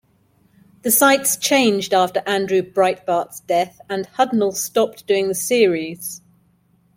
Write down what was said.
The sites changed after Andrew Breitbart's death and Hudnall stopped doing the series.